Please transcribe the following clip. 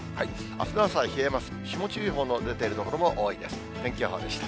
あすの朝は冷えます。